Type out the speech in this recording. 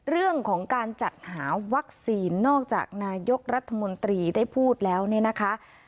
เรื่องของการจัดหาวัคซีนนอกจากนายกรัฐมนตรีได้พูดแล้วเนี่ยนะคะ